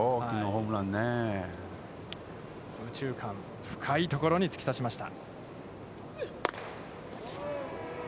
右中間深いところに突き刺しました。